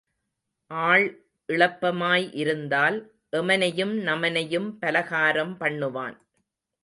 ஆள் இளப்பமாய் இருந்தால் எமனையும் நமனையும் பலகாரம் பண்ணுவான்.